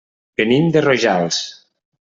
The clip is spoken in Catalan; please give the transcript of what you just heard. Venim de Rojals.